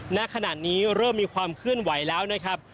ณขณะนี้เริ่มมีความเคลื่อนไหวแล้วนะครับ